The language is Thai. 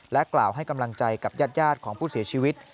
กล่าวให้กำลังใจกับญาติของผู้เสียชีวิต